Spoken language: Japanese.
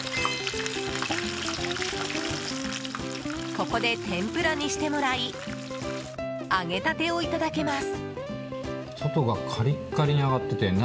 ここで天ぷらにしてもらい揚げたてをいただけます。